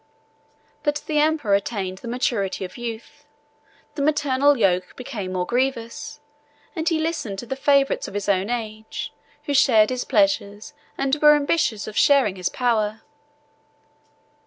But the emperor attained the maturity of youth; the maternal yoke became more grievous; and he listened to the favorites of his own age, who shared his pleasures, and were ambitious of sharing his power.